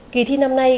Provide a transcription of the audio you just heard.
kỳ thi năm nay